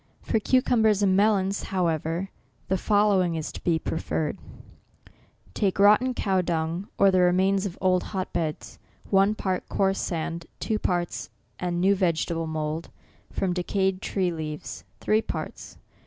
For cucumbers and melons, however, the following is to be preferred : Take rotten cow dung, or the remains of old hot beds, one part ; coarse sand, two parts ; and new vegetable mould, from de cayed tree leaves, three parts.